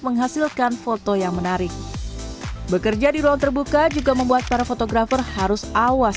menghasilkan foto yang menarik bekerja di ruang terbuka juga membuat para fotografer harus awas